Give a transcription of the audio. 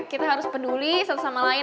kita harus peduli satu sama lain